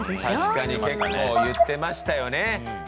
確かに結構言ってましたよね。